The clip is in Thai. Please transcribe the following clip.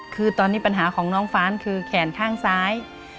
คือตอนนี้ปัญหาของน้องฟ้านคือแขนข้างซ้าย